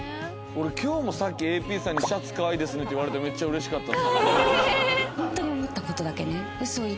俺今日もさっきＡＰさんに「シャツかわいいですね」って言われてめっちゃ嬉しかった。